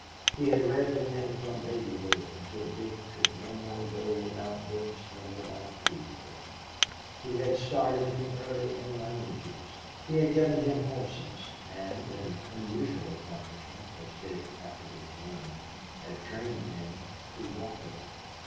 He had read with him from babyhood until Dick could no more go without books than without food. He had started him early in languages. He had given him horses, and, an unusual accomplishment, as Dick afterwards learned, had trained him to walking.